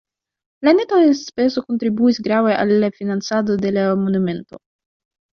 La neta enspezo kontribuis grave al la financado de la monumento.